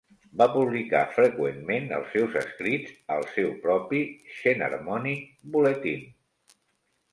Va publicar freqüentment els seus escrits al seu propi "Xenharmonic Bulletin".